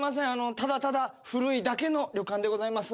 ただただ古いだけの旅館でございます。